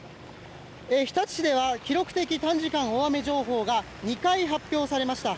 日立市では記録的短時間大雨情報が２回発表されました。